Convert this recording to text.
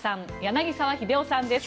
柳澤秀夫さんです。